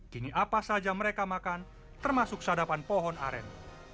kini apa saja mereka makan termasuk sadapan pohon aren